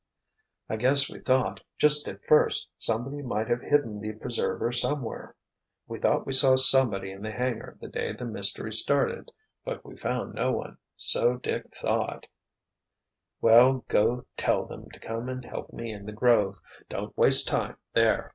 "I guess we thought, just at first, somebody might have hidden the preserver somewhere—we thought we saw somebody in the hangar the day the mystery started, but we found no one, so Dick thought——" "Well, go tell them to come and help me in the grove. Don't waste time there!"